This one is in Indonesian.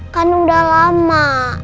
kan udah lama